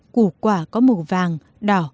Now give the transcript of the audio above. củ quả có màu vàng đỏ